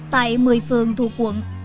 tại một mươi phường thuộc quận phát hành